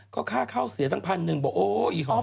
ก็ค่าเข้าเสียตั้งพันหนึ่งบอกโอ้อีหอม